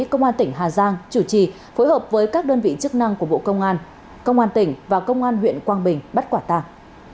công an tỉnh hà giang chủ trì phối hợp với các đơn vị chức năng của bộ công an công an tỉnh và công an huyện quang bình bắt quả tàng